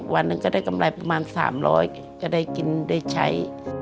วันหนึ่งก็ได้กำไรประมาณ๓๐๐ก็ได้กินได้ใช้